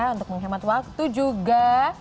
untuk menghemat waktu juga